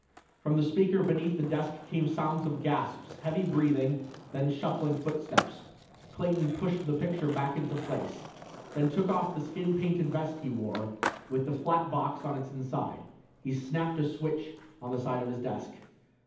"_ From the speaker beneath the desk came sounds of gasps, heavy breathing, then shuffling footsteps. Clayton pushed the picture back into place, then took off the skin painted vest he wore, with the flat box on its inside. He snapped a switch on the side of his desk.